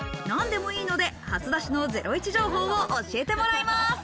何でもいいので、初出しのゼロイチ情報を教えてもらいます。